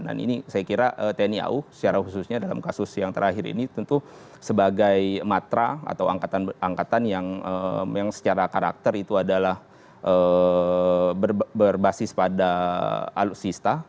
dan ini saya kira tni au secara khususnya dalam kasus yang terakhir ini tentu sebagai matra atau angkatan angkatan yang secara karakter itu adalah berbasis pada alutsista